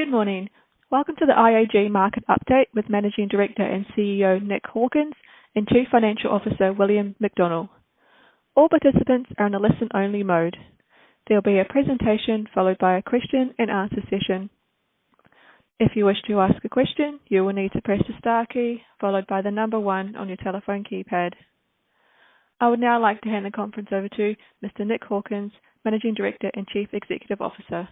Good morning. Welcome to the IAG market update with Managing Director and CEO, Nick Hawkins, and Chief Financial Officer, William McDonnell. All participants are in a listen-only mode. There will be a presentation followed by a question and answer session. If you wish to ask a question, you will need to press the star key, followed by the number one on your telephone keypad. I would now like to hand the conference over to Mr. Nick Hawkins, Managing Director and Chief Executive Officer.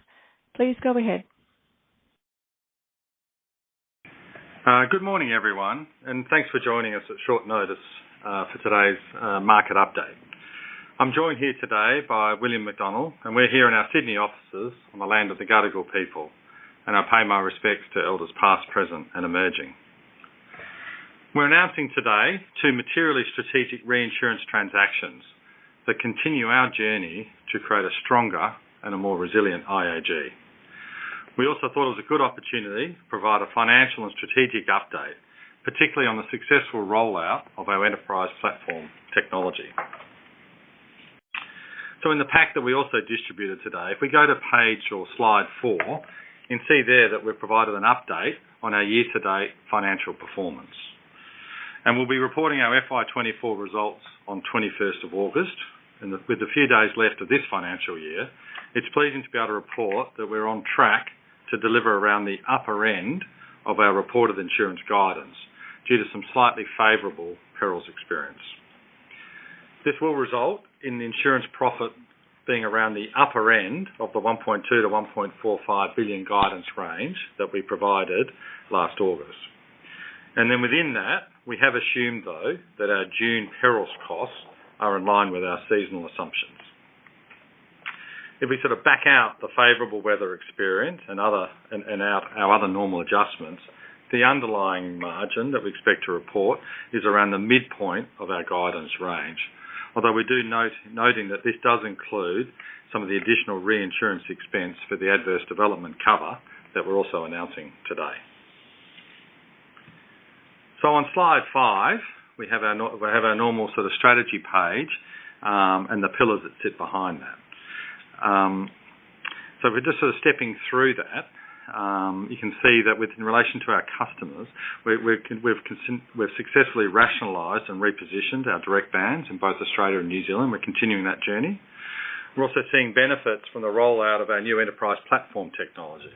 Please go ahead. Good morning, everyone, and thanks for joining us at short notice, for today's market update. I'm joined here today by William McDonnell, and we're here in our Sydney offices on the land of the Gadigal people, and I pay my respects to elders past, present, and emerging. We're announcing today two materially strategic reinsurance transactions that continue our journey to create a stronger and a more resilient IAG. We also thought it was a good opportunity to provide a financial and strategic update, particularly on the successful rollout of our Enterprise Platform technology. In the pack that we also distributed today, if we go to page or slide four, you can see there that we've provided an update on our year-to-date financial performance. And we'll be reporting our FY 2024 results on 21st of August, and with a few days left of this financial year, it's pleasing to be able to report that we're on track to deliver around the upper end of our reported insurance guidance due to some slightly favorable perils experience. This will result in the insurance profit being around the upper end of the 1.2 billion-1.45 billion guidance range that we provided last August. Then within that, we have assumed, though, that our June perils costs are in line with our seasonal assumptions. If we sort of back out the favorable weather experience and other and our other normal adjustments, the underlying margin that we expect to report is around the midpoint of our guidance range. Although we do note that this does include some of the additional reinsurance expense for the adverse development cover that we're also announcing today, so on slide five, we have our normal sort of strategy page, and the pillars that sit behind that, so if we're just sort of stepping through that, you can see that within relation to our customers, we, we've successfully rationalized and repositioned our direct brands in both Australia and New Zealand. We're continuing that journey. We're also seeing benefits from the rollout of our new Enterprise Platform technology,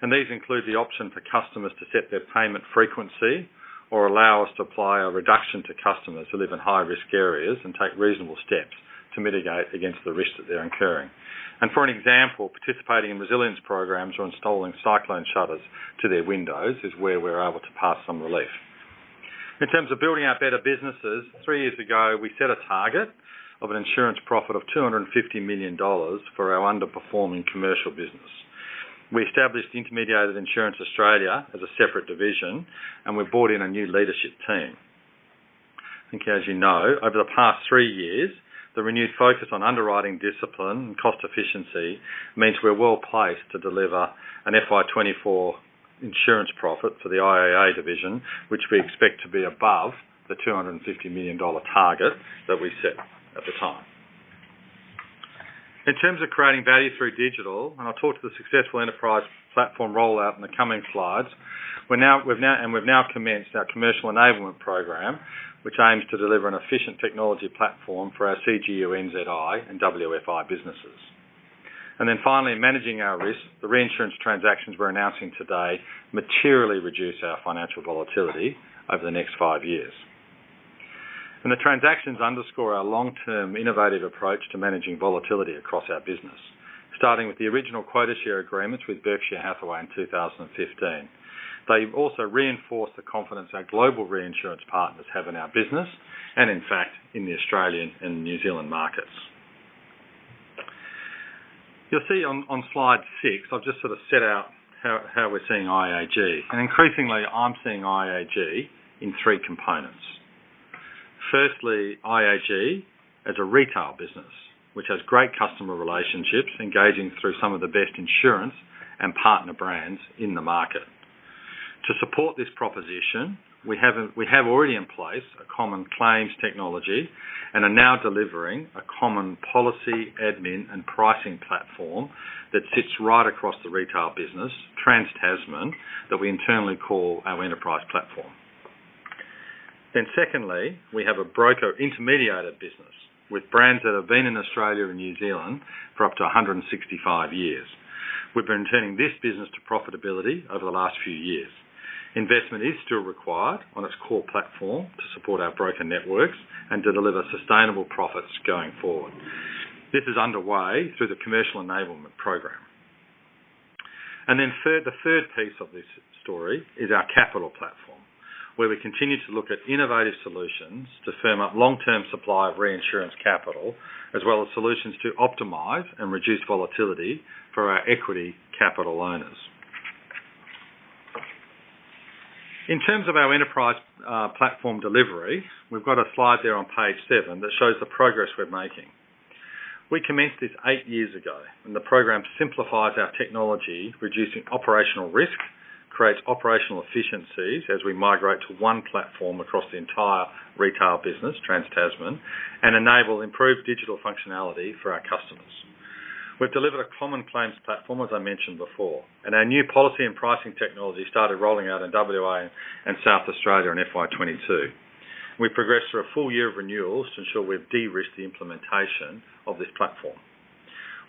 and these include the option for customers to set their payment frequency or allow us to apply a reduction to customers who live in high-risk areas and take reasonable steps to mitigate against the risk that they're incurring. For an example, participating in resilience programs or installing cyclone shutters to their windows is where we're able to pass some relief. In terms of building our better businesses, three years ago, we set a target of an insurance profit of 250 million dollars for our underperforming commercial business. We established Intermediated Insurance Australia as a separate division, and we brought in a new leadership team. I think, as you know, over the past three years, the renewed focus on underwriting discipline and cost efficiency means we're well-placed to deliver an FY 2024 insurance profit for the IAA division, which we expect to be above the 250 million dollar target that we set at the time. In terms of creating value through digital, and I'll talk to the successful Enterprise Platform rollout in the coming slides, we've now commenced our Commercial Enablement Program, which aims to deliver an efficient technology platform for our CGU, NZI, and WFI businesses. Then finally, managing our risk, the reinsurance transactions we're announcing today materially reduce our financial volatility over the next five years. The transactions underscore our long-term innovative approach to managing volatility across our business, starting with the original quota share agreements with Berkshire Hathaway in 2015. They've also reinforced the confidence our global reinsurance partners have in our business and in fact, in the Australian and New Zealand markets. You'll see on slide six, I've just sort of set out how we're seeing IAG, and increasingly I'm seeing IAG in three components. Firstly, IAG as a retail business, which has great customer relationships, engaging through some of the best insurance and partner brands in the market. To support this proposition, we have, we have already in place a common claims technology and are now delivering a common policy, admin, and pricing platform that sits right across the retail business, Trans-Tasman, that we internally call our Enterprise Platform. Then secondly, we have a broker-intermediated business with brands that have been in Australia and New Zealand for up to 165 years. We've been turning this business to profitability over the last few years. Investment is still required on its core platform to support our broker networks and to deliver sustainable profits going forward. This is underway through the Commercial Enablement Program. Then third, the third piece of this story is our capital platform, where we continue to look at innovative solutions to firm up long-term supply of reinsurance capital, as well as solutions to optimize and reduce volatility for our equity capital owners. In terms of our Enterprise Platform delivery, we've got a slide there on page 7 that shows the progress we're making. We commenced this 8 years ago, and the program simplifies our technology, reducing operational risk, creates operational efficiencies as we migrate to one platform across the entire retail business, Trans-Tasman, and enable improved digital functionality for our customers. We've delivered a common claims platform, as I mentioned before, and our new policy and pricing technology started rolling out in WA and South Australia in FY 2022. We progressed through a full year of renewals to ensure we've de-risked the implementation of this platform.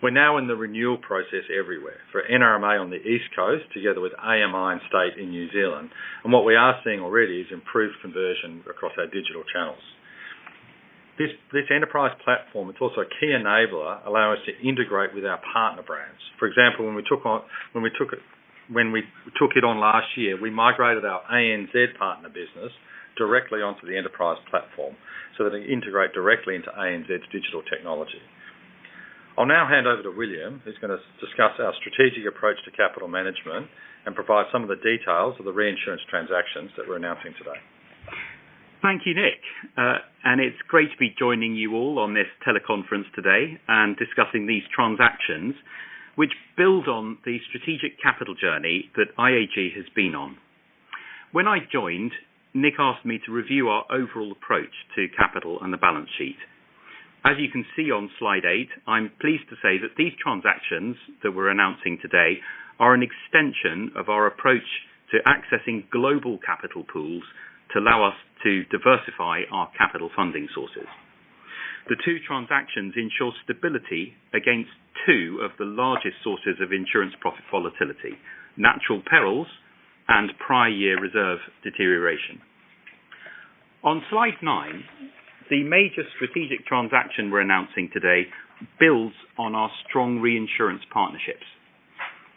We're now in the renewal process everywhere, for NRMA on the East Coast, together with AMI and State in New Zealand, and what we are seeing already is improved conversion across our digital channels. This Enterprise Platform is also a key enabler, allowing us to integrate with our partner brands. For example, when we took it on last year, we migrated our ANZ partner business directly onto the Enterprise Platform, so that they integrate directly into ANZ's digital technology. I'll now hand over to William, who's gonna discuss our strategic approach to capital management and provide some of the details of the reinsurance transactions that we're announcing today. Thank you, Nick. It's great to be joining you all on this teleconference today and discussing these transactions, which build on the strategic capital journey that IAG has been on. When I joined, Nick asked me to review our overall approach to capital and the balance sheet. As you can see on slide eight, I'm pleased to say that these transactions that we're announcing today are an extension of our approach to accessing global capital pools to allow us to diversify our capital funding sources. The two transactions ensure stability against two of the largest sources of insurance profit volatility: natural perils and prior year reserve deterioration. On slide nine, the major strategic transaction we're announcing today builds on our strong reinsurance partnerships.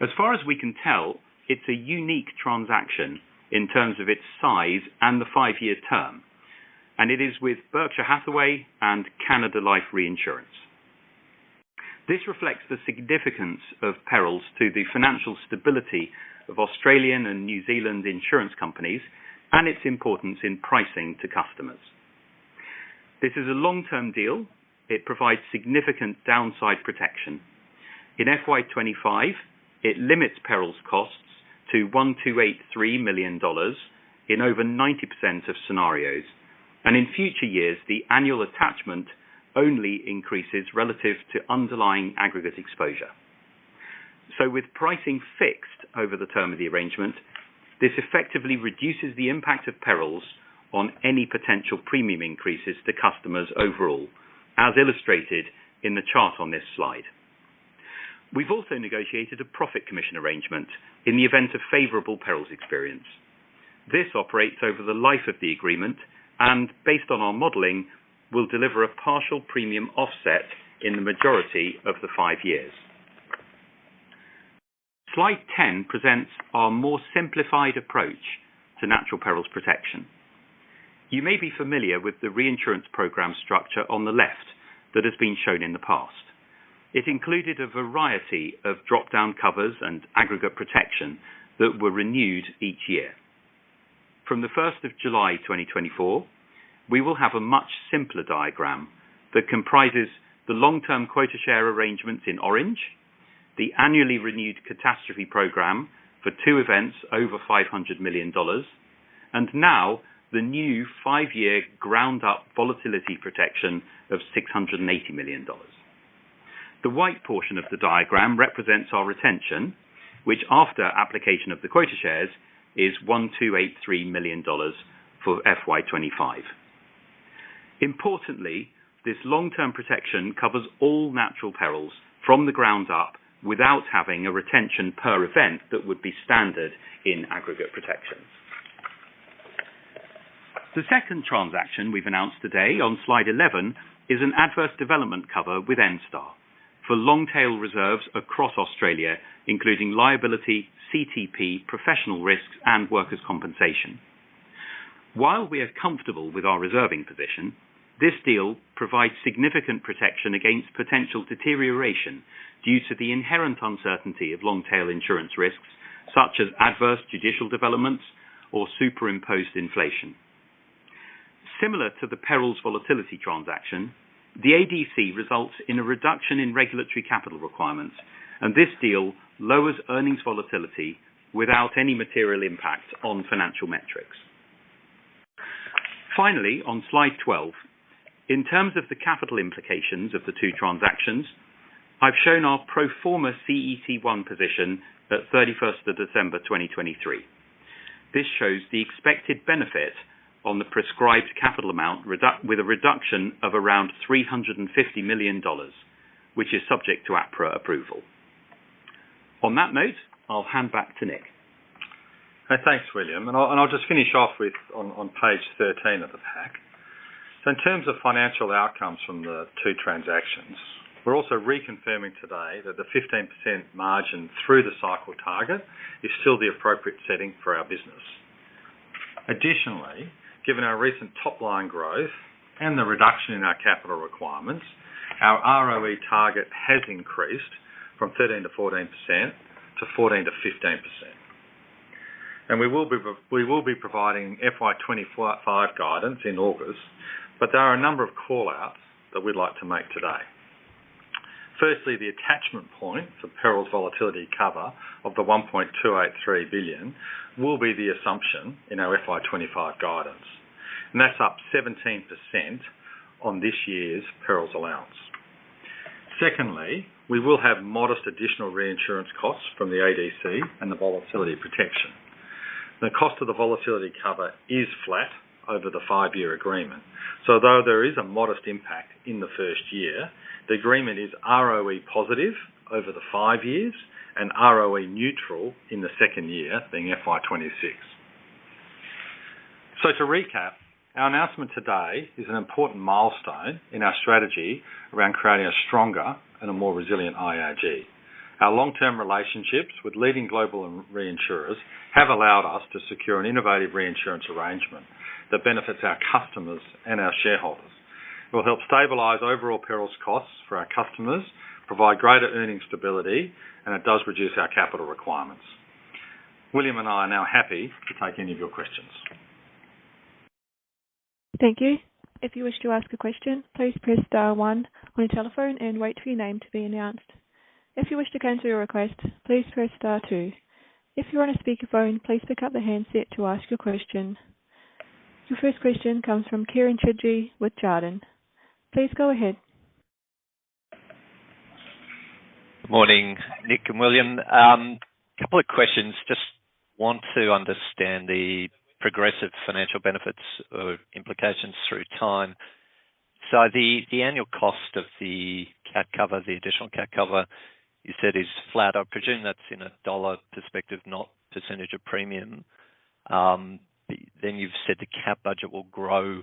As far as we can tell, it's a unique transaction in terms of its size and the five-year term, and it is with Berkshire Hathaway and Canada Life Reinsurance. This reflects the significance of perils to the financial stability of Australian and New Zealand insurance companies, and its importance in pricing to customers. This is a long-term deal. It provides significant downside protection. In FY 25, it limits perils costs to 1,283 million dollars in over 90% of scenarios, and in future years, the annual attachment only increases relative to underlying aggregate exposure, so with pricing fixed over the term of the arrangement, this effectively reduces the impact of perils on any potential premium increases to customers overall, as illustrated in the chart on this slide. We've also negotiated a profit commission arrangement in the event of favorable perils experience. This operates over the life of the agreement, and based on our modeling, will deliver a partial premium offset in the majority of the 5 years. Slide 10 presents our more simplified approach to natural perils protection. You may be familiar with the reinsurance program structure on the left that has been shown in the past. It included a variety of drop-down covers and aggregate protection that were renewed each year. From the first of July, 2024, we will have a much simpler diagram that comprises the long-term quota share arrangements in orange, the annually renewed catastrophe program for 2 events over 500 million dollars, and now the new 5-year ground-up volatility protection of 680 million dollars. The white portion of the diagram represents our retention, which, after application of the quota shares, is 1,283 million dollars for FY 2025. Importantly, this long-term protection covers all natural perils from the ground up without having a retention per event that would be standard in aggregate protection. The second transaction we've announced today on slide 11, is an adverse development cover with Enstar for long-tail reserves across Australia, including liability, CTP, professional risks, and workers' compensation. While we are comfortable with our reserving position, this deal provides significant protection against potential deterioration due to the inherent uncertainty of long-tail insurance risks, such as adverse judicial developments or superimposed inflation. Similar to the perils volatility transaction, the ADC results in a reduction in regulatory capital requirements, and this deal lowers earnings volatility without any material impact on financial metrics. Finally, on slide 12, in terms of the capital implications of the two transactions, I've shown our pro forma CET1 position at 31st of December, 2023. This shows the expected benefit on the Prescribed Capital Amount reduction with a reduction of around 350 million dollars, which is subject to APRA approval. On that note, I'll hand back to Nick. Thanks, William, and I'll just finish off with on page 13 of the pack, so in terms of financial outcomes from the two transactions, we're also reconfirming today that the 15% margin through the cycle target is still the appropriate setting for our business. Additionally, given our recent top line growth and the reduction in our capital requirements, our ROE target has increased from 13%-14% to 14%-15% and we will be providing FY 2025 guidance in August, but there are a number of call-outs that we'd like to make today, firstly, the attachment point for perils volatility cover of 1.283 billion will be the assumption in our FY 2025 guidance, and that's up 17% on this year's perils allowance. Secondly, we will have modest additional reinsurance costs from the ADC and the volatility protection. The cost of the volatility cover is flat over the 5-year agreement, so though there is a modest impact in the first year, the agreement is ROE positive over the 5 years and ROE neutral in the second year, being FY 2026, so to recap, our announcement today is an important milestone in our strategy around creating a stronger and a more resilient IAG. Our long-term relationships with leading global reinsurers have allowed us to secure an innovative reinsurance arrangement that benefits our customers and our shareholders. It will help stabilize overall perils costs for our customers, provide greater earning stability, and it does reduce our capital requirements. William and I are now happy to take any of your questions. Thank you. If you wish to ask a question, please press star one on your telephone and wait for your name to be announced. If you wish to cancel your request, please press star two. If you're on a speakerphone, please pick up the handset to ask your question. Your first question comes from Kieren Chidgey with Jarden. Please go ahead. Morning, Nick and William. Couple of questions. Just want to understand the progressive financial benefits or implications through time, so the annual cost of the cat cover, the additional cat cover, you said is flat. I presume that's in a dollar perspective, not percentage of premium. Then you've said the cat budget will grow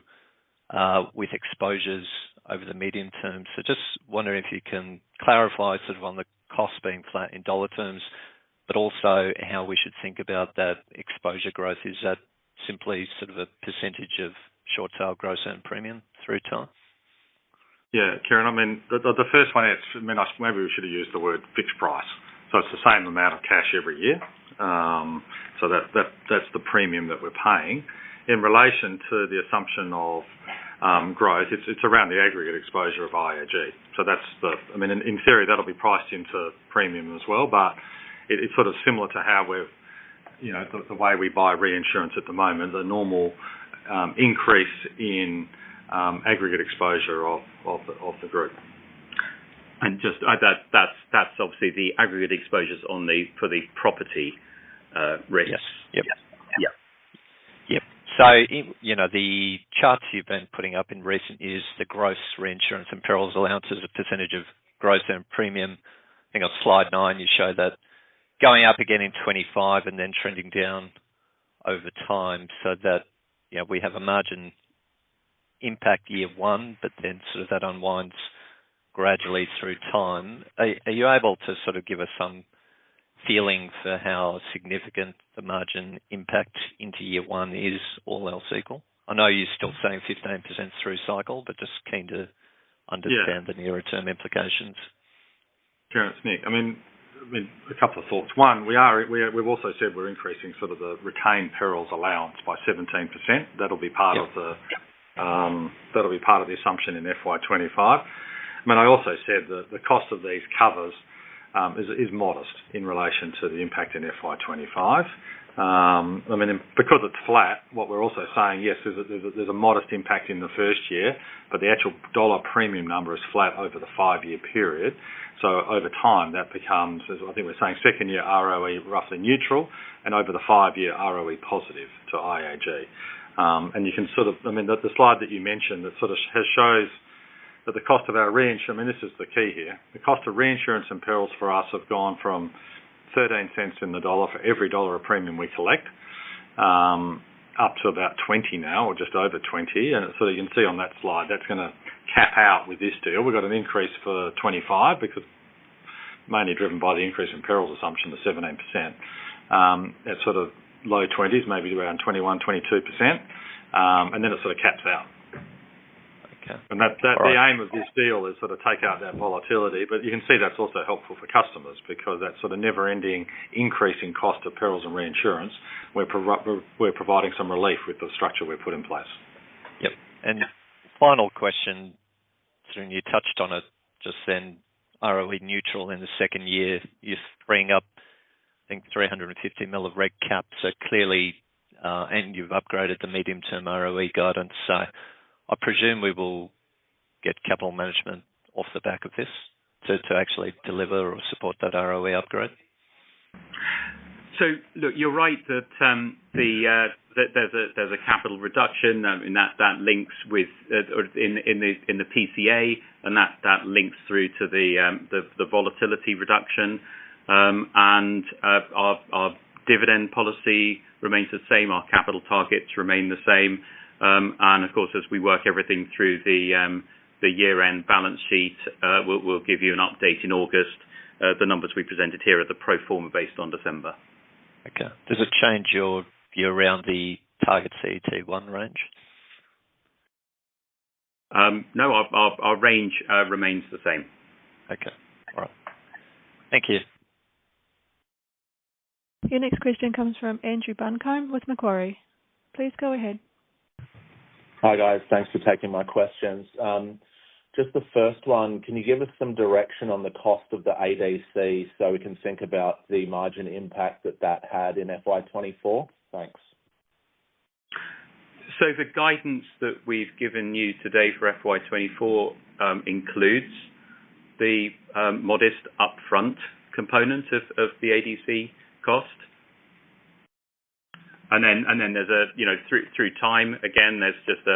with exposures over the medium term, so just wondering if you can clarify sort of on the cost being flat in dollar terms, but also how we should think about that exposure growth. Is that simply sort of a percentage of short tail gross and premium through time? Yeah, Kieren, I mean, the first one is, I mean, maybe we should have used the word fixed price, so it's the same amount of cash every year, so that, that's the premium that we're paying. In relation to the assumption of growth, it's around the aggregate exposure of iag, so that's the, I mean, in theory, that'll be priced into premium as well, but it's sort of similar to how we've, you know, the way we buy reinsurance at the moment, the normal increase in aggregate exposure of the group. Just, that's obviously the aggregate exposures on the for the property risks. yes, so you know, the charts you've been putting up in recent years, the gross reinsurance and perils allowance as a percentage of gross written premium. I think on slide 9, you show that going up again in 2025 and then trending down over time so that, you know, we have a margin impact year one, but then sort of that unwinds gradually through time. Are you able to sort of give us some feeling for how significant the margin impact into year one is, all else equal? I know you're still saying 15% through cycle, but just keen to understand- Yeah The nearer term implications. Sure, it's Nick. I mean, a couple of thoughts. One, we are, we've also said we're increasing sort of the retained perils allowance by 17%. Yep. That'll be part of the, that'll be part of the assumption in FY 25. I mean, I also said that the cost of these covers is modest in relation to the impact in FY 25. I mean, and because it's flat, what we're also saying, yes, there's a modest impact in the first year, but the actual dollar premium number is flat over the 5-year period, so over time, that becomes, as I think we're saying, second year ROE, roughly neutral, and over the 5-year ROE, positive to IAG. You can sort of, I mean, the slide that you mentioned that sort of shows that the cost of our reinsurance, I mean, this is the key here: the cost of reinsurance and perils for us have gone from 13 cents on the dollar for every dollar of premium we collect, up to about 20 now or just over 20 and so you can see on that slide, that's gonna cap out with this deal. We've got an increase for 2025, because mainly driven by the increase in perils assumption to 17%. At sort of low 20s, maybe around 21, 22%, and then it sort of caps out. Okay. All right. And that, the aim of this deal is sort of to take out that volatility, but you can see that's also helpful for customers because that sort of never-ending increase in cost of perils and reinsurance, we're providing some relief with the structure we've put in place. Yep. Final question, so you touched on it just then, ROE neutral in the second year. You're freeing up, I think, 350 million of reg cap, so clearly, and you've upgraded the medium-term ROE guidance, so I presume we will get capital management off the back of this, to, to actually deliver or support that ROE upgrade? So look, you're right that there's a capital reduction, and that links with our PCA, and that links through to the volatility reduction. Our dividend policy remains the same, our capital targets remain the same. Of course, as we work everything through the year-end balance sheet, we'll give you an update in August. The numbers we presented here are the pro forma based on December. Okay. Does it change your view around the target CET1 range? No, our range remains the same. Okay. All right. Thank you. Your next question comes from Andrew Buncombe with Macquarie. Please go ahead. Hi, guys. Thanks for taking my questions. Just the first one, can you give us some direction on the cost of the ADC, so we can think about the margin impact that that had in FY 2024? Thanks. So the guidance that we've given you today for FY 2024 includes the modest upfront components of the ADC cost. Then there's a, you know, through time, again, there's just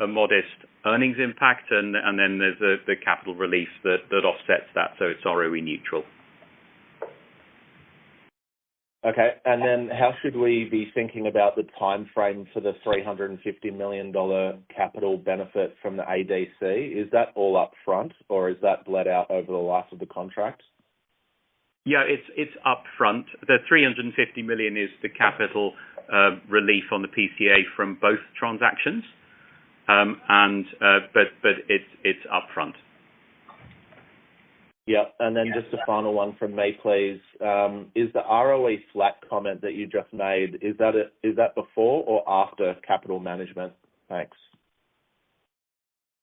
a modest earnings impact, and then there's the capital release that offsets that, so it's ROE neutral. Okay. Then how should we be thinking about the timeframe for the 350 million dollar capital benefit from the ADC? Is that all upfront, or is that bled out over the life of the contract? Yeah, it's upfront. The 350 million is the capital relief on the PCA from both transactions, but it's upfront. Yep. Then just a final one from me, please. Is the ROE flat comment that you just made, is that before or after capital management? Thanks.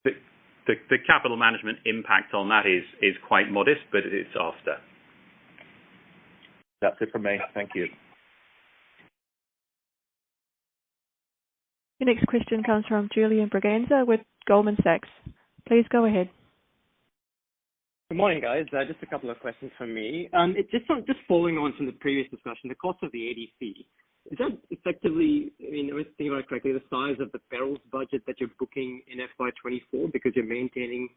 The capital management impact on that is quite modest, but it's after. That's it for me. Thank you. Your next question comes from Julian Braganza, with Goldman Sachs. Please go ahead. Good morning, guys. Just a couple of questions from me. Just following on from the previous discussion, the cost of the ADC, is that effectively, I mean, if I think about it correctly, the size of the perils budget that you're booking in FY 2024 because you're maintaining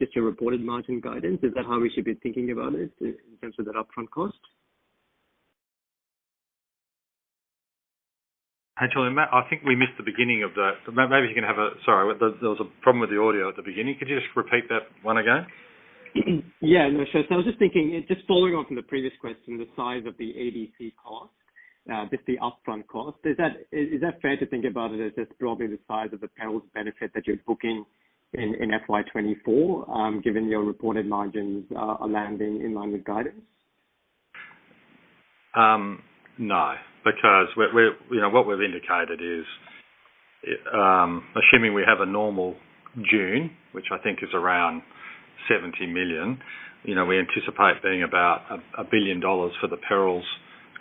just your reported margin guidance? Is that how we should be thinking about it, in terms of that upfront cost? Hey, Julian, I think we missed the beginning of that, so maybe you can have a, sorry, there was a problem with the audio at the beginning. Could you just repeat that one again? Yeah, sure, so I was just thinking, just following on from the previous question, the size of the ADC cost, just the upfront cost, is that fair to think about it as just probably the size of the perils benefit that you're booking in, in FY 2024, given your reported margins are landing in line with guidance? No, because we're, you know, what we've indicated is, assuming we have a normal June, which I think is around 70 million, you know, we anticipate being about 1 billion dollars for the perils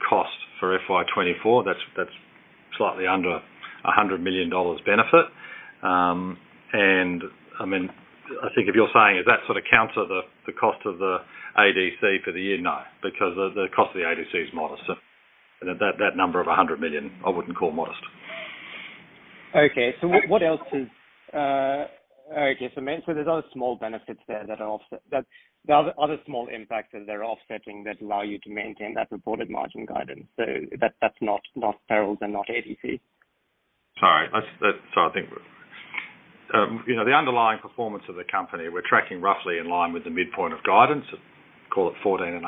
cost for FY 2024. That's slightly under 100 million dollars benefit. I mean, I think if you're saying is that sort of counter the cost of the ADC for the year? No, because the cost of the ADC is modest, so. That number of 100 million, I wouldn't call modest. okay, so then, so there are other small benefits there that are offset, that there are other small impacts that they're offsetting, that allow you to maintain that reported margin guidance, so that, that's not perils and not ADC. Sorry, that's, so I think, you know, the underlying performance of the company, we're tracking roughly in line with the midpoint of guidance, call it 14.5.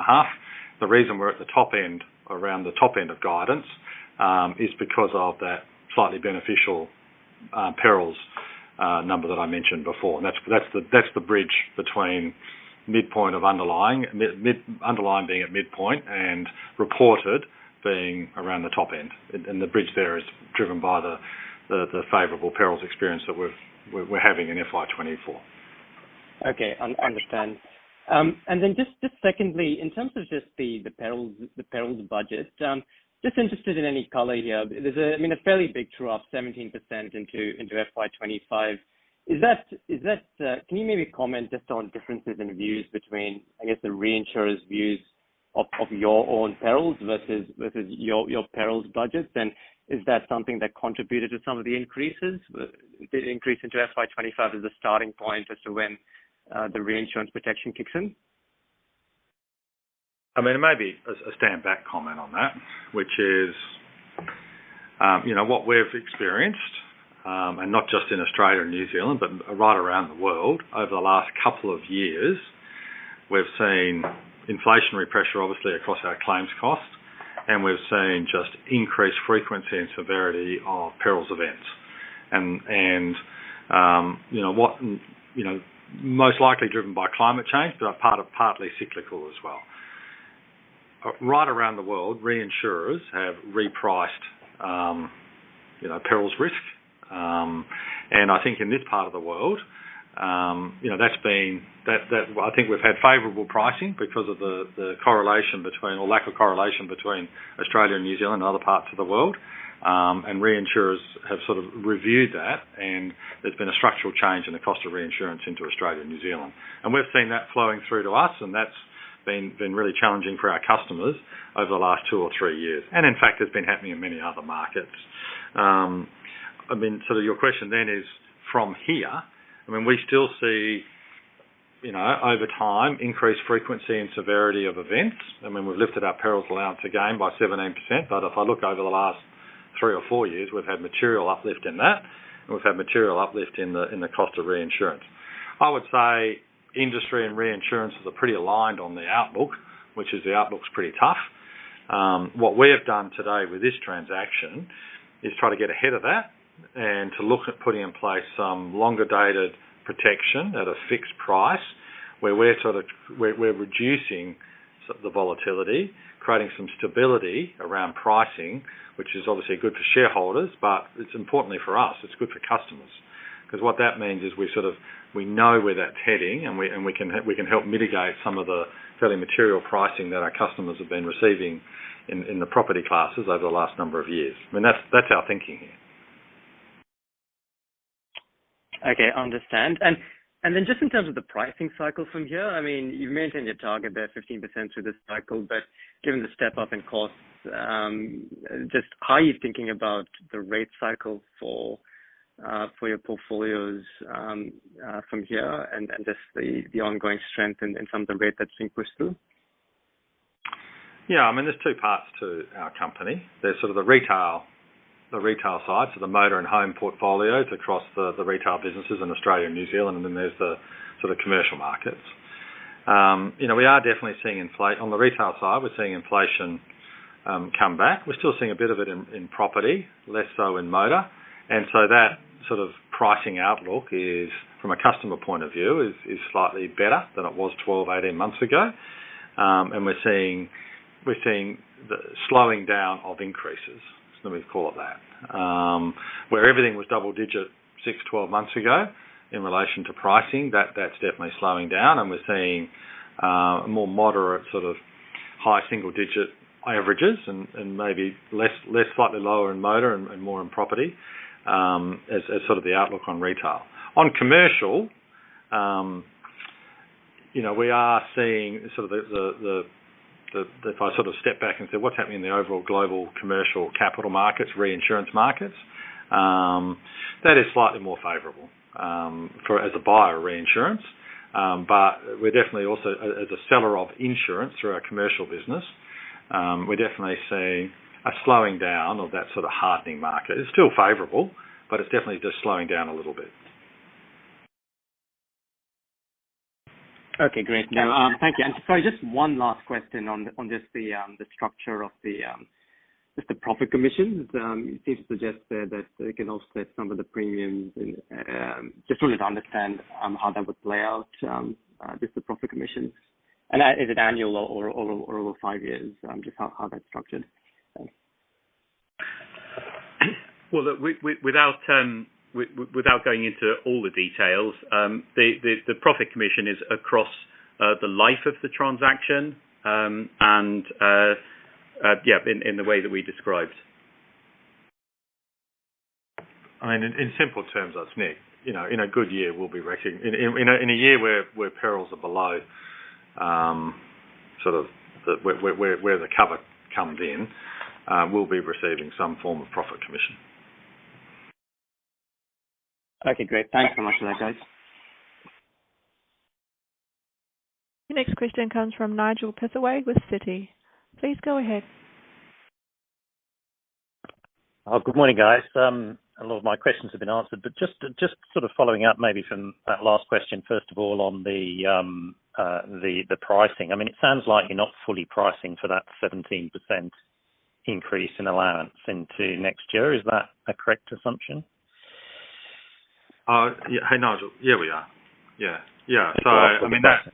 The reason we're at the top end, around the top end of guidance, is because of that slightly beneficial, perils, number that I mentioned before. That's the bridge between midpoint of underlying, underlying being at midpoint, and reported being around the top end. The bridge there is driven by the favorable perils experience that we're having in FY 2024. Okay, understand. Then just, just secondly, in terms of just the, the perils, the perils budget, just interested in any color here. There's a, I mean, a fairly big drop, 17% into, into FY 2025. Is that, is that, can you maybe comment just on differences in views between, I guess, the reinsurers views of, of your own perils versus, versus your, your perils budget? Then, is that something that contributed to some of the increases, the increase into FY 2025 as a starting point as to when, the reinsurance protection kicks in? I mean, it may be a step back comment on that, which is, you know, what we've experienced, and not just in Australia and New Zealand, but right around the world over the last couple of years, we've seen inflationary pressure, obviously across our claims costs, and we've seen just increased frequency and severity of perils events and, you know what, you know, most likely driven by climate change, but are part of, partly cyclical as well. Right around the world, reinsurers have repriced, you know, perils risk, and I think in this part of the world, you know, that's been that I think we've had favorable pricing because of the correlation between, or lack of correlation between Australia and New Zealand and other parts of the world. And reinsurers have sort of reviewed that, and there's been a structural change in the cost of reinsurance into Australia and New Zealand. We've seen that flowing through to us, and that's been really challenging for our customers over the last 2 or 3 years. In fact, it's been happening in many other markets. I mean, so your question then is from here, I mean, we still see, you know, over time, increased frequency and severity of events. I mean, we've lifted our perils allowance again by 17%, but if I look over the last 3 or 4 years, we've had material uplift in that, and we've had material uplift in the, in the cost of reinsurance. I would say industry and reinsurers are pretty aligned on the outlook, which is the outlook's pretty tough. What we have done today with this transaction is try to get ahead of that, and to look at putting in place some longer dated protection at a fixed price, where we're sort of reducing sort of the volatility, creating some stability around pricing, which is obviously good for shareholders, but it's importantly for us, it's good for customers. 'Cause what that means is we sort of know where that's heading, and we can help mitigate some of the fairly material pricing that our customers have been receiving in the property classes over the last number of years. I mean, that's our thinking here. Okay, understand. Then just in terms of the pricing cycle from here, I mean, you've maintained your target there 15% through this cycle, but given the step up in costs, just how are you thinking about the rate cycle for your portfolios from here, and just the ongoing strength and from the rate that syncs through? Yeah, I mean, there's two parts to our company. There's sort of the retail, the retail side, so the motor and home portfolios across the retail businesses in Australia and New Zealand, and then there's the sort of commercial markets. You know, we are definitely seeing inflation. On the retail side, we're seeing inflation come back. We're still seeing a bit of it in property, less so in motor. So that sort of pricing outlook is, from a customer point of view, slightly better than it was 12, 18 months ago. We're seeing the slowing down of increases, so let me call it that. Where everything was double-digit 6-12 months ago in relation to pricing, that's definitely slowing down, and we're seeing a more moderate, sort of, high single-digit averages and maybe less, slightly lower in motor and more in property, as sort of the outlook on retail. On commercial, you know, we are seeing sort of, if I sort of step back and say: What's happening in the overall global commercial capital markets, reinsurance markets? That is slightly more favorable for us as a buyer of reinsurance, but we're definitely also as a seller of insurance through our commercial business, we're definitely seeing a slowing down of that sort of hardening market. It's still favorable, but it's definitely just slowing down a little bit. Okay, great. Thank you, sorry, just one last question on just the structure of just the profit commissions. It seems to suggest that it can offset some of the premiums and just wanted to understand how that would play out, just the profit commissions. Is it annual or over five years? Just how that's structured. Thanks. Well, look, without going into all the details, the profit commission is across the life of the transaction, and yeah, in the way that we described. I mean, in simple terms, that's Nick. You know, in a good year, we'll be recognizing, in a year where perils are below sort of the where the cover comes in, we'll be receiving some form of profit commission. Okay, great. Thanks so much for that, guys. The next question comes from Nigel Pittaway with Citi. Please go ahead. Good morning, guys. A lot of my questions have been answered, but just to, just sort of following up maybe from that last question, first of all, on the pricing. I mean, it sounds like you're not fully pricing for that 17% increase in allowance into next year. Is that a correct assumption? Yeah. Hey, Nigel. Yeah, we are. Yeah. yeah, so I mean that-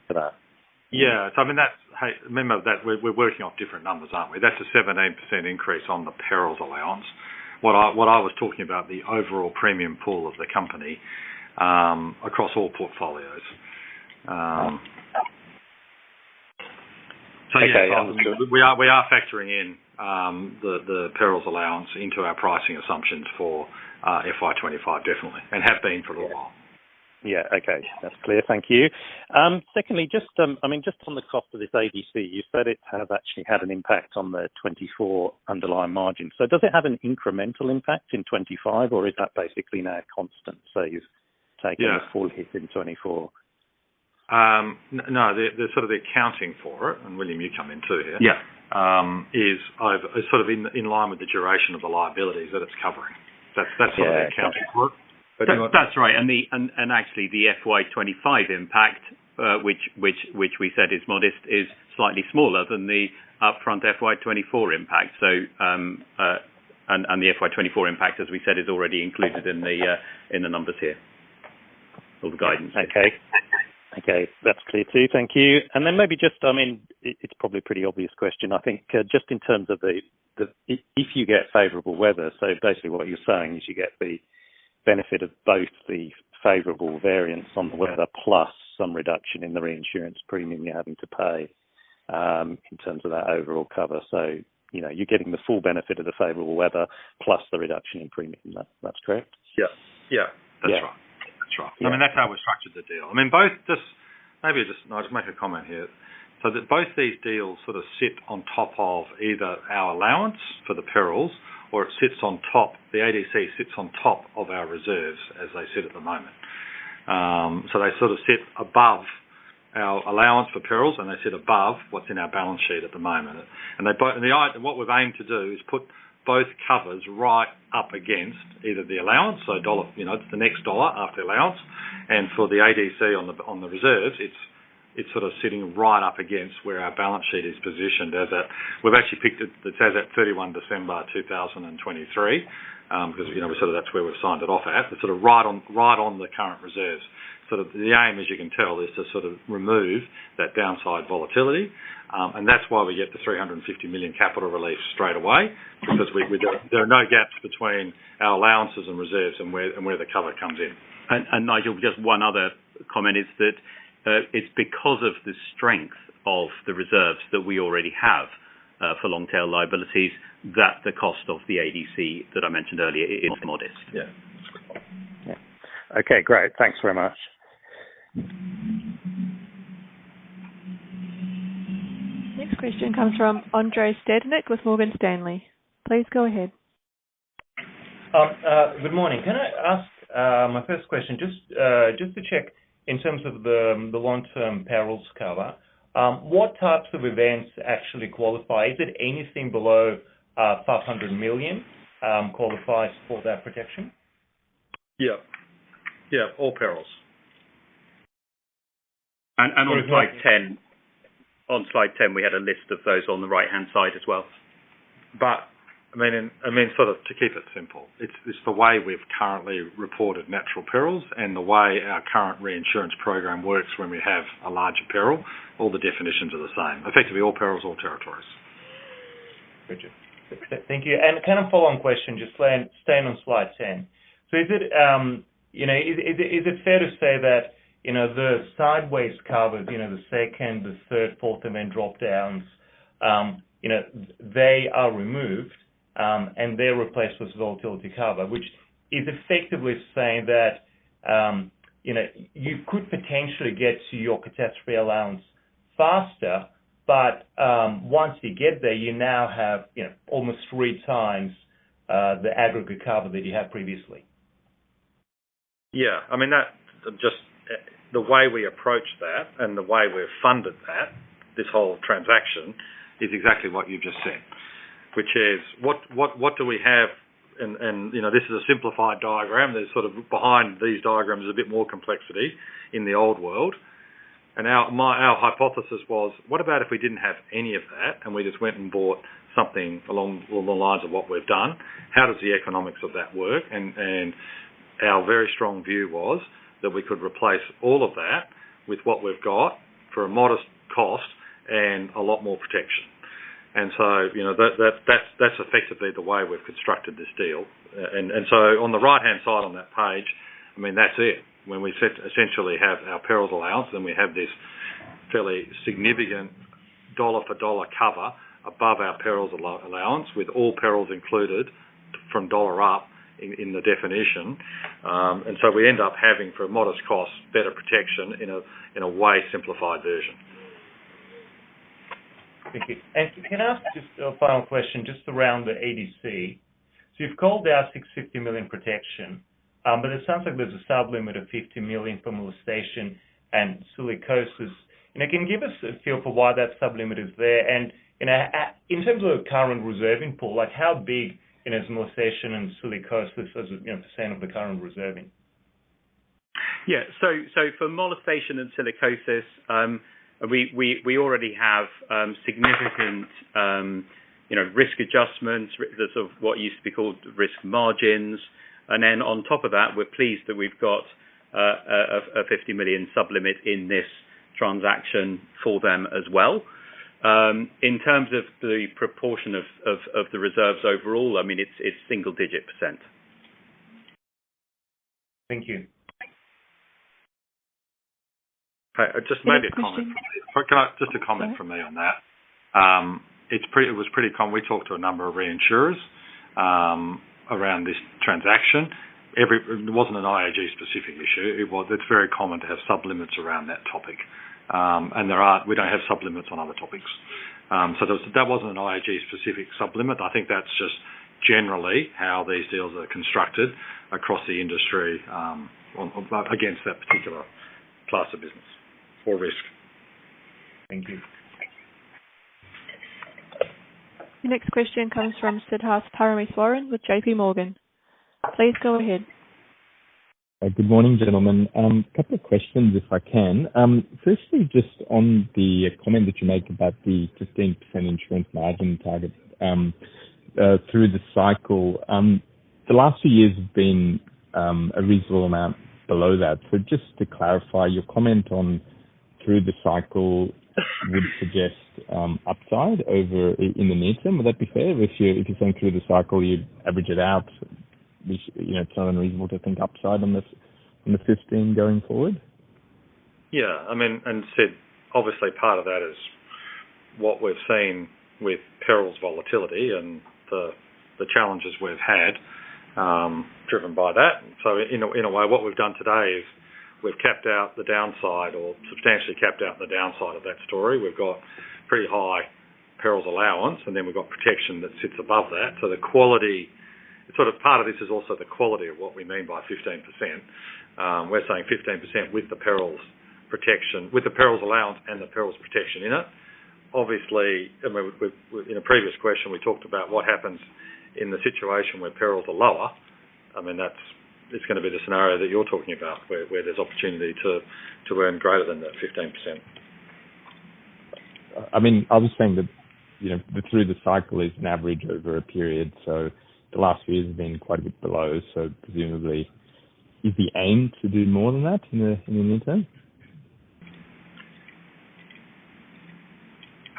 Yeah, so I mean, that's, hey, remember that we're, we're working off different numbers, aren't we? That's a 17% increase on the perils allowance. What I, what I was talking about, the overall premium pool of the company, across all portfolios, Okay. We are factoring in the perils allowance into our pricing assumptions for FY 2025, definitely, and have been for a while. Yeah, okay. That's clear. Thank you. Secondly, just, I mean, just on the cost of this ADC, you said it has actually had an impact on the 24 underlying margin, so does it have an incremental impact in 25, or is that basically now a constant? So you've taken a full hit in 2024. No, the sort of accounting for it, and William, you come in, too, here. Yeah. is sort of in line with the duration of the liabilities that it's covering. Yeah. That's what the accounting for it. That's right. Actually, the FY 2025 impact, which we said is modest, is slightly smaller than the upfront FY 2024 impact, so, the FY 2024 impact, as we said, is already included in the numbers here, or the guidance. Okay. Okay, that's clear, too. Thank you. Then maybe just, I mean, it's probably a pretty obvious question. I think, just in terms of the if you get favorable weather, so basically what you're saying is you get the benefit of both the favorable variance on the weather- Yeah Plus some reduction in the reinsurance premium you're having to pay, in terms of that overall cover, so, you know, you're getting the full benefit of the favorable weather plus the reduction in premium. That, that's correct? Yeah. Yeah. Yeah. That's right. That's right. Yeah. I mean, that's how we structured the deal. I mean, both. I'll just make a comment here, so that both these deals sort of sit on top of either our allowance for the perils, or it sits on top, the ADC sits on top of our reserves, as they sit at the moment, so they sort of sit above our allowance for perils, and they sit above what's in our balance sheet at the moment. They both and what we've aimed to do is put both covers right up against either the allowance, so a dollar, you know, the next dollar after the allowance, and for the ADC on the reserves, it's sitting right up against where our balance sheet is positioned, as we've actually picked it, the as at 31 December 2023. Because, you know, sort of that's where we've signed it off at. It's sort of right on, right on the current reserves, so the aim, as you can tell, is to sort of remove that downside volatility. That's why we get the 350 million capital relief straight away. Because there are no gaps between our allowances and reserves and where the cover comes in. And, Nigel, just one other comment is that it's because of the strength of the reserves that we already have for long-tail liabilities that the cost of the ADC that I mentioned earlier is modest. Yeah. Yeah. Okay, great. Thanks very much. Next question comes from Andrei Stadnik with Morgan Stanley. Please go ahead. Good morning. Can I ask my first question, just to check in terms of the long-term perils cover, what types of events actually qualify? Is it anything below 500 million qualifies for that protection? Yeah. Yeah, all perils. On slide 10, on slide 10, we had a list of those on the right-hand side as well. But I mean, sort of to keep it simple, it's the way we've currently reported natural perils, and the way our current reinsurance program works when we have a larger peril, all the definitions are the same. Effectively, all perils, all territories. Thank you. Can I follow-on question, just staying on slide 10, so is it, you know, is, is it, is it fair to say that, you know, the sideways covers, you know, the second, the third, fourth, and then drop downs, you know, they are removed, and they're replaced with volatility cover. Which is effectively saying that, you know, you could potentially get to your catastrophe allowance faster, but, once you get there, you now have, you know, almost three times, the aggregate cover that you had previously. Yeah. I mean, that just, the way we approach that, and the way we've funded that, this whole transaction, is exactly what you've just said. Which is, what, what, what do we have? And, and, you know, this is a simplified diagram. There's sort of behind these diagrams, there's a bit more complexity in the old world. Our hypothesis was, what about if we didn't have any of that, and we just went and bought something along the lines of what we've done? How does the economics of that work? And, and our very strong view was, that we could replace all of that with what we've got for a modest cost, and a lot more protection and so, you know, that, that, that's, that's effectively the way we've constructed this deal. and so on the right-hand side on that page, I mean, that's it. When we essentially have our perils allowance, then we have this fairly significant dollar for dollar cover above our perils allowance, with all perils included from dollar up in the definition and so we end up having, for a modest cost, better protection in a way, simplified version. Thank you. Can I ask just a final question just around the ADC? So you've called out 650 million protection, but it sounds like there's a sub-limit of 50 million for asbestosis and silicosis. Can you give us a feel for why that sub-limit is there? And, you know, in terms of current reserving pool, like how big, you know, is asbestosis and silicosis as a, you know, % of the current reserving? yeah, so for molestation and silicosis, we already have significant, you know, risk adjustments, the sort of what used to be called risk margins and then on top of that, we're pleased that we've got a 50 million sub-limit in this transaction for them as well. In terms of the proportion of the reserves overall, I mean, it's single-digit %. Thank you. Just maybe a comment. Next question- Can I? Just a comment from me on that? It was pretty common. We talked to a number of reinsurers around this transaction. It wasn't an IAG specific issue, it was, it's very common to have sub-limits around that topic and we don't have sub-limits on other topics, so that, that wasn't an IAG specific sub-limit. I think that's just generally how these deals are constructed across the industry, on against that particular class of business or risk. Thank you. Next question comes from Siddharth Parameswaran with JPMorgan. Please go ahead. Good morning, gentlemen. A couple of questions, if I can. Firstly, just on the comment that you made about the 15% insurance margin target through the cycle. The last few years have been a reasonable amount below that, so just to clarify, your comment on through the cycle would suggest upside in the near term. Would that be fair, if you, if you think through the cycle, you'd average it out? This, you know, it's not unreasonable to think upside on this, on the 15% going forward? Yeah, I mean, and Sid, obviously, part of that is what we've seen with perils volatility and the challenges we've had driven by that, so in a way, what we've done today is we've capped out the downside or substantially capped out the downside of that story. We've got pretty high perils allowance, and then we've got protection that sits above that, so the quality, sort of part of this is also the quality of what we mean by 15%. We're saying 15% with the perils protection, with the perils allowance and the perils protection in it. Obviously, I mean, in a previous question, we talked about what happens in the situation where perils are lower, I mean, that's, it's gonna be the scenario that you're talking about, where there's opportunity to earn greater than that 15%. I mean, I was saying that, you know, through the cycle is an average over a period, so the last few years have been quite a bit below, so presumably, is the aim to do more than that in the near term?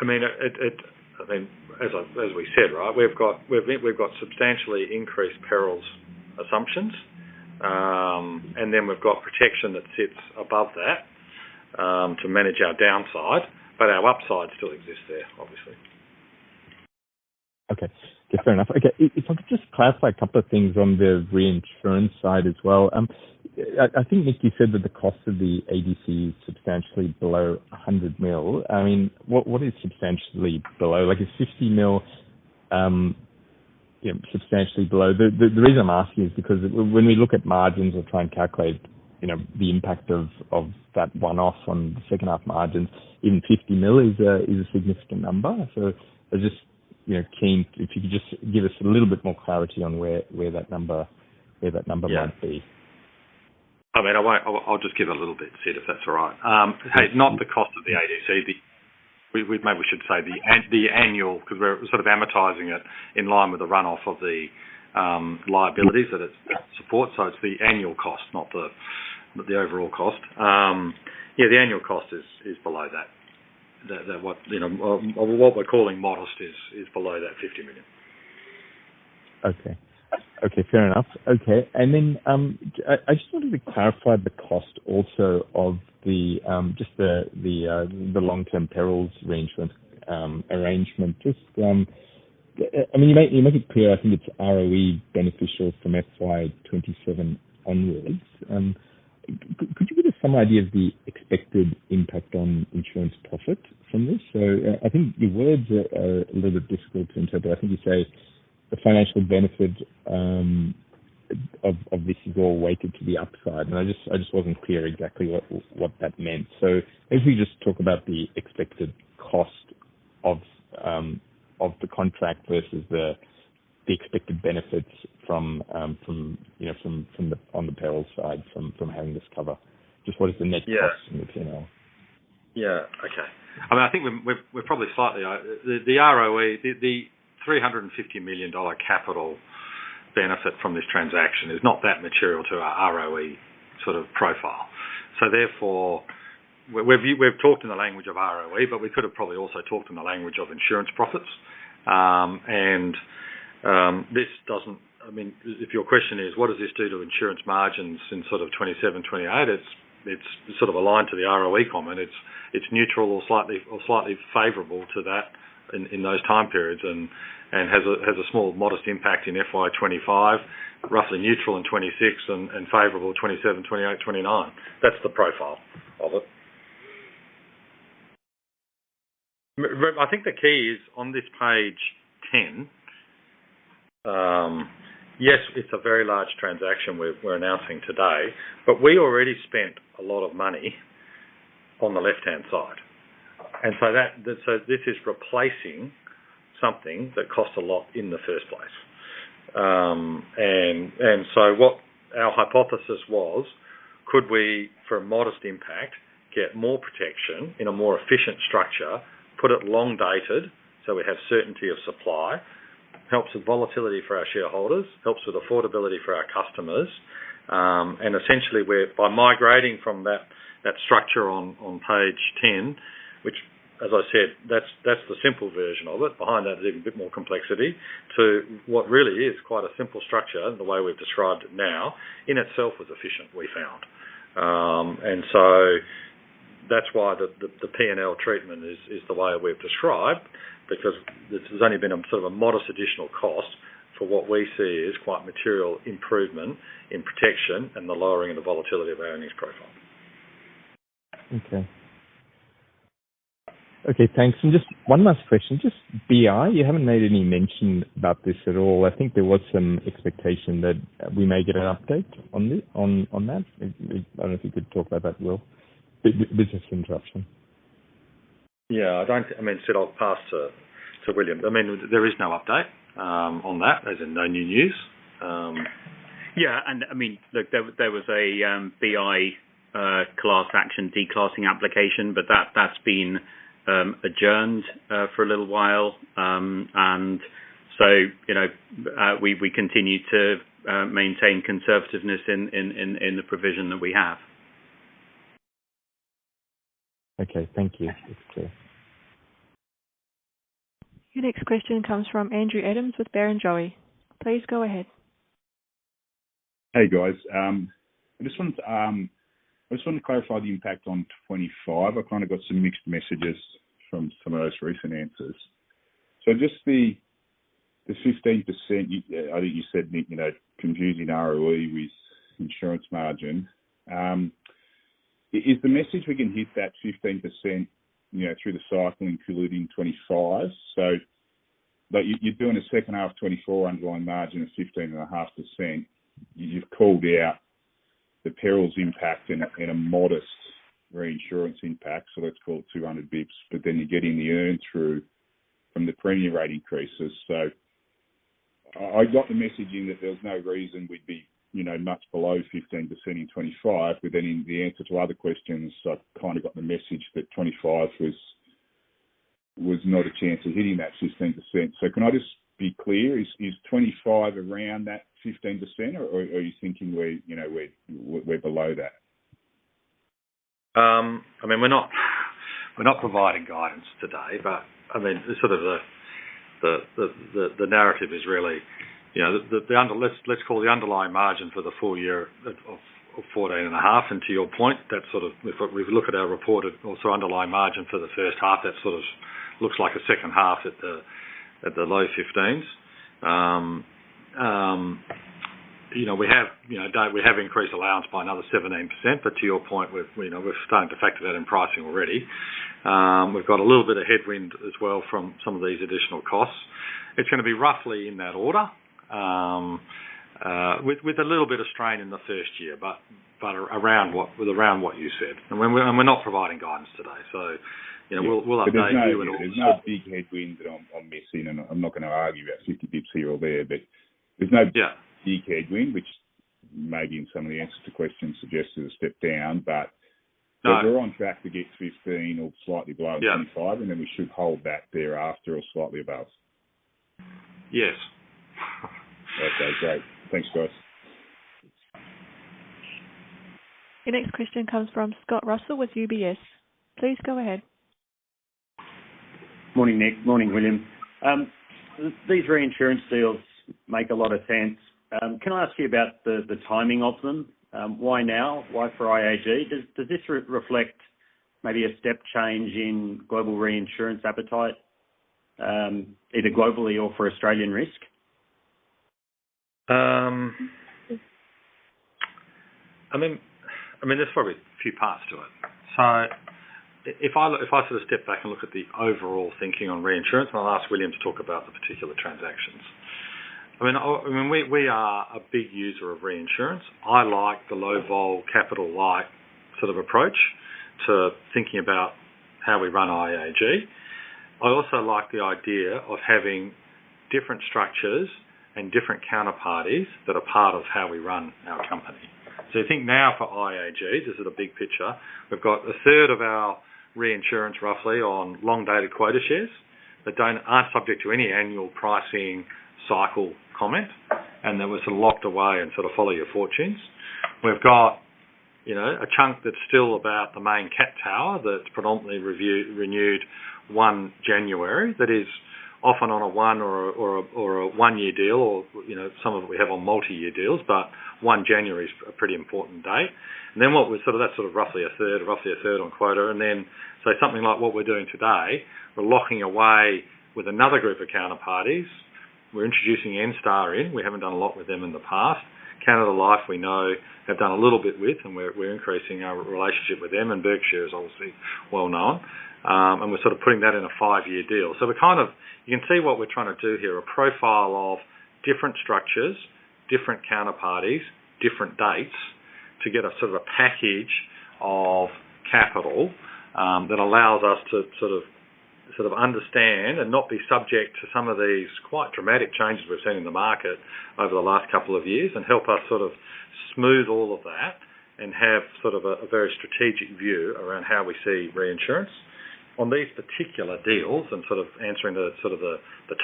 I mean, as we said, right? We've got substantially increased perils assumptions and then we've got protection that sits above that, to manage our downside, but our upside still exists there, obviously. Okay. Yeah, fair enough. Okay, if I could just clarify a couple of things on the reinsurance side as well. I think, Nick, you said that the cost of the ADC is substantially below 100 million. I mean, what is substantially below? Like is 50 million, you know, substantially below? The reason I'm asking is because when we look at margins or try and calculate, you know, the impact of that one-off on the second half margins, even 50 million is a significant number, so I was just, you know, keen, if you could just give us a little bit more clarity on where, where that number, where that number might be. Yeah. I mean, I won't, I, I'll just give it a little bit, Sid, if that's all right. Hey, not the cost of the ADC, the-- we, we maybe we should say the an- the annual, 'cause we're sort of amortizing it in line with the run-off of the, liabilities that it supports, so it's the annual cost, not the, the overall cost. Yeah, the annual cost is, is below that. The, the what, you know, what we're calling modest is, is below 50 million. Okay. Okay, fair enough. Okay, and then I just wanted to clarify the cost also of just the long-term perils arrangement, arrangement. Just I mean, you make, you make it clear, I think it's ROE beneficial from FY 2027 onwards. Could you give us some idea of the expected impact on insurance profit from this? So I think your words are, are a little bit difficult to interpret. I think you say the financial benefits of of this is all weighted to the upside, and I just I just wasn't clear exactly what what that meant, so if we just talk about the expected cost of of the contract versus the the expected benefits from from you know from from the on the perils side from from having this cover. Just what is the net cost in the PNL? Yeah. Okay. I mean, I think we're probably slightly over the ROE. The 350 million dollar capital benefit from this transaction is not that material to our ROE sort of profile, so therefore, we've talked in the language of ROE, but we could have probably also talked in the language of insurance profits and this doesn't, I mean, if your question is, what does this do to insurance margins in sort of 2027, 2028, it's sort of aligned to the ROE comment. It's neutral or slightly favorable to that in those time periods, and has a small modest impact in FY 2025, roughly neutral in 2026, and favorable in 2027, 2028, 2029. That's the profile of it. Look, I think the key is on this page 10. Yes, it's a very large transaction we're announcing today, but we already spent a lot of money on the left-hand side, and so that, so this is replacing something that costs a lot in the first place and so what our hypothesis was, could we, for a modest impact, get more protection in a more efficient structure, put it long dated, so we have certainty of supply, helps with volatility for our shareholders, helps with affordability for our customers, and essentially we're by migrating from that structure on page ten, which, as I said, that's the simple version of it. Behind that is even a bit more complexity to what really is quite a simple structure, and the way we've described it now, in itself was efficient, we found. And so that's why the P&L treatment is the way we've described, because this has only been a sort of a modest additional cost for what we see as quite material improvement in protection and the lowering of the volatility of our earnings profile. Okay. Okay, thanks. Jst one last question, just BI. You haven't made any mention about this at all. I think there was some expectation that we may get an update on that. I don't know if you could talk about that, Will? Business interruption. Yeah, I don't, I mean, Sid, I'll pass to William. I mean, there is no update on that. There's no new news. Yeah, and I mean, look, there was a BI class action declassing application, but that's been adjourned for a little while and so, you know, we continue to maintain conservativeness in the provision that we have. Okay, thank you. It's clear. Your next question comes from Andrew Adams with Barrenjoey. Please go ahead. Hey, guys. I just wanted to clarify the impact on 2025. I kind of got some mixed messages from some of those recent answers, so just the 15%, I think you said, Nick, you know, confusing ROE with insurance margin. Is the message we can hit that 15%, you know, through the cycle including 2025? But you're doing a second half of 2024 underlying margin of 16.5%. You just called out the perils impact and a modest reinsurance impact, so let's call it 200 basis points, but then you're getting the earn through from the premium rate increases. So I got the message in that there was no reason we'd be, you know, much below 15% in 2025, but then in the answer to other questions, I've kind of got the message that 2025 was not a chance of hitting that 15%, so can I just be clear, is 2025 around that 15% or are you thinking we're, you know, we're below that? I mean, we're not, we're not providing guidance today, but I mean, sort of the narrative is really, you know, the under-- let's, let's call the underlying margin for the full year of 14.5, and to your point, that's sort of, if we look at our reported also underlying margin for the first half, that sort of looks like a second half at the low 15s. You know, we have, you know, we have increased allowance by another 17%, but to your point, we've, you know, we're starting to factor that in pricing already. We've got a little bit of headwind as well from some of these additional costs. It's gonna be roughly in that order, with a little bit of strain in the first year, but around what - with around what you said and we're not providing guidance today, so, you know, we'll update you- There's no big headwind that I'm missing, and I'm not gonna argue about 50 basis points here or there, but there's no- Yeah. big headwind, which maybe in some of the answers to questions suggested a step down, but No. We're on track to get 15 or slightly below. Yeah. -25, and then we should hold back thereafter or slightly above? Yes. Okay, great. Thanks, guys. Your next question comes from Scott Russell with UBS. Please go ahead. Morning, Nick. Morning, William. These reinsurance deals make a lot of sense. Can I ask you about the timing of them? Why now? Why for IAG? Does this reflect maybe a step change in global reinsurance appetite, either globally or for Australian risk? I mean, there's probably a few parts to it, so if I sort of step back and look at the overall thinking on reinsurance, and I'll ask William to talk about the particular transactions. I mean, we are a big user of reinsurance. I like the low vol, capital light sort of approach to thinking about how we run IAG. I also like the idea of having different structures and different counterparties that are part of how we run our company, so I think now for IAG, this is a big picture, we've got a third of our reinsurance, roughly, on long dated quota shares, that aren't subject to any annual pricing cycle comment, and then we're sort of locked away and sort of follow your fortunes. We've got, you know, a chunk that's still about the main cat tower, that's predominantly renewed 1 January, that is often on a 1-year deal, or, you know, some of them we have on multi-year deals, but 1 January is a pretty important date and then what we sort of, that's sort of roughly a third, roughly a third on quota and then, so something like what we're doing today, we're locking away with another group of counterparties. We're introducing Enstar in. We haven't done a lot with them in the past. Canada Life, we know, have done a little bit with, and we're increasing our relationship with them, and Berkshire is obviously well known and we're sort of putting that in a 5-year deal. So we're kind of, you can see what we're trying to do here, a profile of different structures, different counterparties, different dates, to get a sort of a package of capital, that allows us to sort of, sort of understand and not be subject to some of these quite dramatic changes we've seen in the market over the last couple of years, and help us sort of smooth all of that, and have sort of a, a very strategic view around how we see reinsurance. On these particular deals, and sort of answering the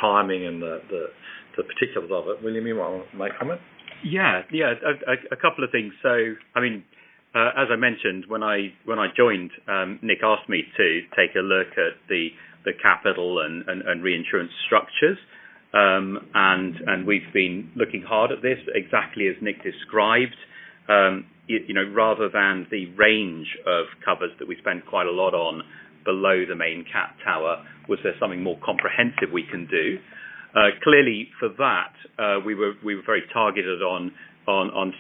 timing and the particulars of it, William, you want to make comment? Yeah. Yeah, a couple of things, so, I mean, as I mentioned, when I joined, Nick asked me to take a look at the capital and reinsurance structures and we've been looking hard at this, exactly as Nick described. You know, rather than the range of covers that we spent quite a lot on below the main cat tower, was there something more comprehensive we can do? Clearly, for that, we were very targeted on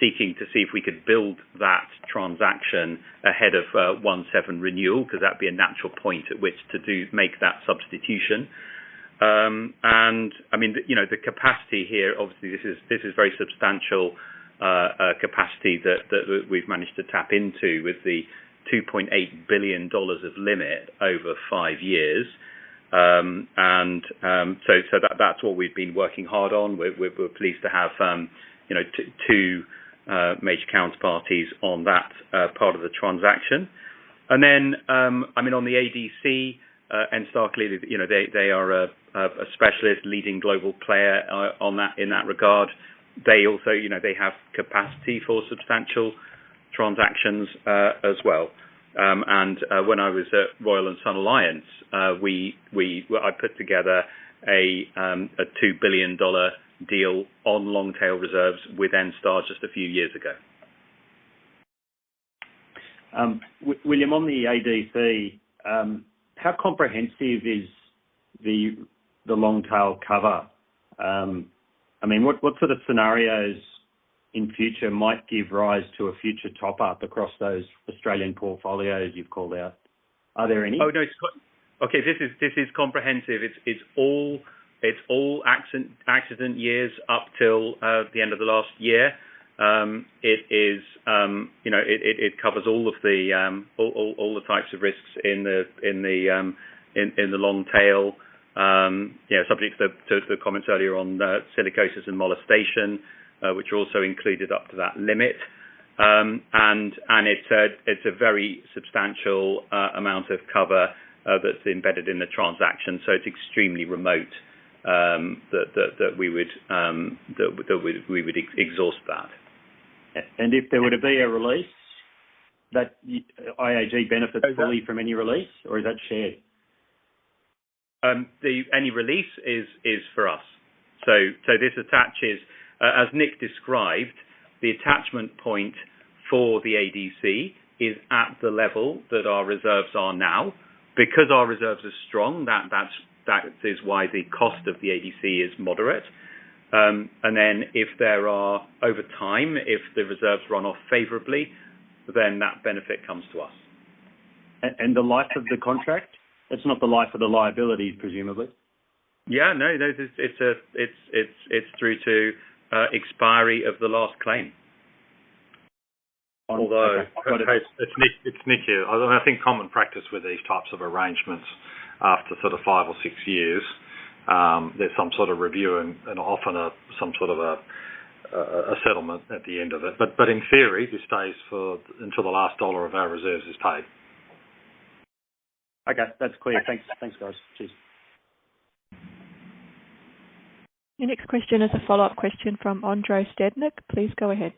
seeking to see if we could build that transaction ahead of 1 July renewal, because that'd be a natural point at which to do make that substitution. And I mean, you know, the capacity here, obviously, this is very substantial capacity that we've managed to tap into with the 2.8 billion dollars of limit over 5 years, so that's what we've been working hard on. We're pleased to have, you know, two major counterparties on that part of the transaction and then, I mean, on the ADC and, starkly, you know, they are a specialist leading global player in that regard. They also, you know, they have capacity for substantial transactions as well and when I was at Royal & Sun Alliance, we, well, I put together a 2 billion dollar deal on long tail reserves with Enstar just a few years ago. William, on the ADC, how comprehensive is the long tail cover? I mean, what sort of scenarios in future might give rise to a future top-up across those Australian portfolios you've called out? Are there any? Oh, no, it's quite. Okay, this is comprehensive. It's all accident years up till the end of the last year. It is, you know, it covers all of the types of risks in the long tail. You know, subject to the comments earlier on the silicosis and molestation, which are also included up to that limit and it's a very substantial amount of cover that's embedded in the transaction, so it's extremely remote that we would exhaust that. And if there were to be a release, that IAG benefits- Okay Fully from any release, or is that shared? The any release is for us, so this attaches. As Nick described, the attachment point for the ADC is at the level that our reserves are now. Because our reserves are strong, that's why the cost of the ADC is moderate and then, over time, if the reserves run off favorably, then that benefit comes to us. And the life of the contract? It's not the life of the liability, presumably. Yeah, no, it's through to expiry of the last claim. Although- It's Nick, it's Nick here. Although I think common practice with these types of arrangements after sort of five or six years, there's some sort of review and, and often some sort of settlement at the end of it, but in theory, this stays for until the last dollar of our reserves is paid. Okay. That's clear. Thanks. Thanks, guys. Cheers. Your next question is a follow-up question from Andre Stadnik. Please go ahead.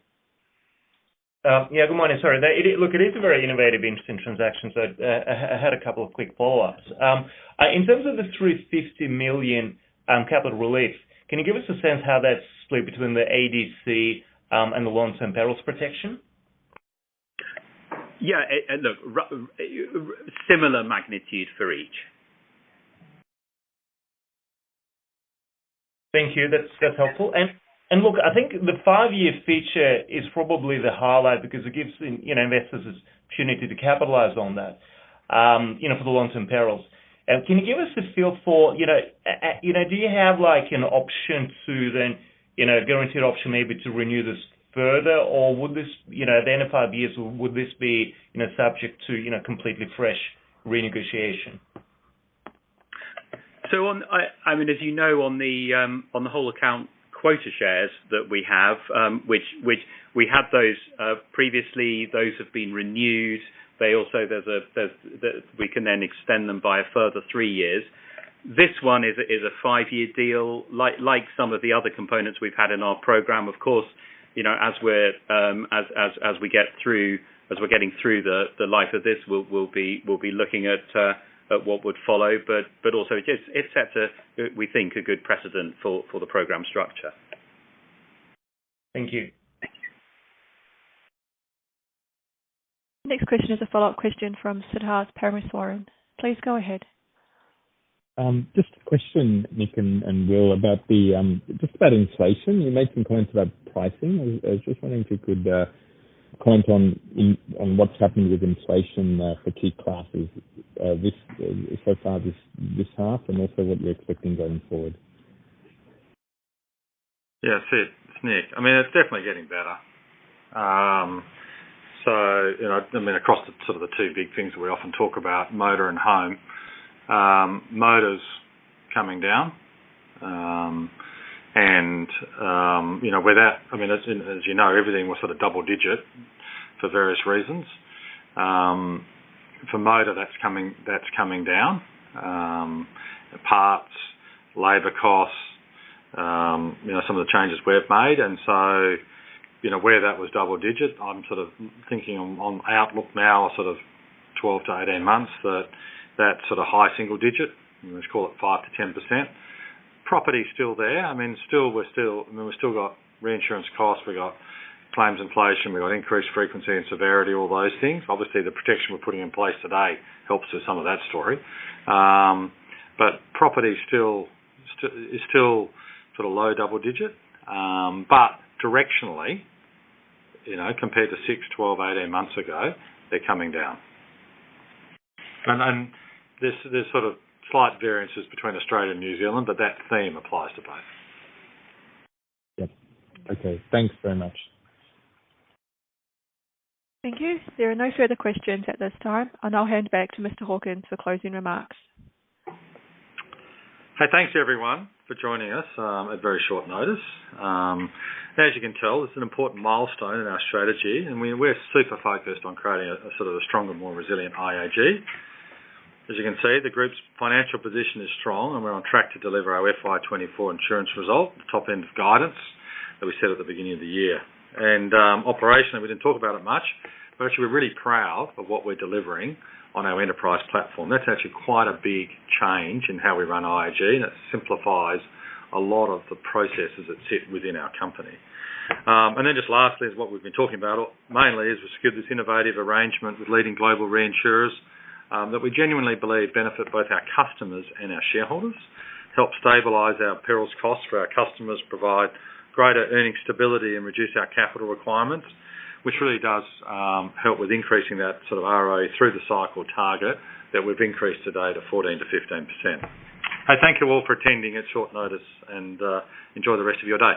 Yeah, good morning, sorry. It is - look, it is a very innovative, interesting transaction, so, I had a couple of quick follow-ups. In terms of the 350 million capital release, can you give us a sense how that's split between the ADC and the long-term perils protection? Yeah, and look, similar magnitude for each. Thank you. That's helpful and look, I think the five-year feature is probably the highlight because it gives, you know, investors an opportunity to capitalize on that, you know, for the long-term perils. Can you give us a feel for, you know, do you have, like, an option to then, you know, a guaranteed option maybe to renew this further? Or would this, you know, at the end of five years, would this be, you know, subject to, you know, completely fresh renegotiation? So on, I mean, as you know, on the whole account, quota shares that we have, which we had those previously, those have been renewed. They also, there's, we can then extend them by a further three years. This one is a five-year deal, like some of the other components we've had in our program. Of course, you know, as we're getting through the life of this, we'll be looking at what would follow, but also it sets, we think, a good precedent for the program structure. Thank you. Next question is a follow-up question from Siddharth Parameswaran. Please go ahead. Just a question, Nick and Will, about just about inflation. You made some points about pricing. I was just wondering if you could comment on what's happening with inflation for key classes so far this half, and also what you're expecting going forward. Yeah, Sid, it's Nick. I mean, it's definitely getting better, so you know, I mean, across the sort of the two big things that we often talk about, motor and home, motor's coming down, and, you know, where that, I mean, as you know, everything was sort of double digit for various reasons. For motor, that's coming down, parts, labor costs, you know, some of the changes we've made and so, you know, where that was double digit, I'm sort of thinking on outlook now, sort of 12 to 18 months, that sort of high single digit, let's call it 5%-10%. Property's still there. I mean, still, we're still, I mean, we've still got reinsurance costs, we got claims inflation, we got increased frequency and severity, all those things. Obviously, the protection we're putting in place today helps with some of that story, but property is still sort of low double digit, but directionally, you know, compared to 6, 12, 18 months ago, they're coming down and then, there's sort of slight variances between Australia and New Zealand, but that theme applies to both. Yep. Okay, thanks very much. Thank you. There are no further questions at this time. I'll now hand back to Mr. Hawkins for closing remarks. Hey, thanks everyone, for joining us, at very short notice. As you can tell, this is an important milestone in our strategy, and we, we're super focused on creating a, a sort of a stronger, more resilient IAG. As you can see, the group's financial position is strong, and we're on track to deliver our FY 2024 insurance result, the top end of guidance that we set at the beginning of the year. Operationally, we didn't talk about it much, but actually we're really proud of what we're delivering on our Enterprise Platform. That's actually quite a big change in how we run IAG, and it simplifies a lot of the processes that sit within our company. And then just lastly, is what we've been talking about, mainly is, we secured this innovative arrangement with leading global reinsurers, that we genuinely believe benefit both our customers and our shareholders, help stabilize our perils costs for our customers, provide greater earning stability, and reduce our capital requirements, which really does, help with increasing that sort of ROE through the cycle target, that we've increased today to 14%-15%. I thank you all for attending at short notice, and, enjoy the rest of your day.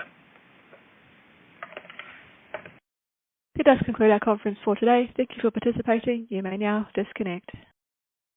This does conclude our conference for today. Thank you for participating. You may now disconnect.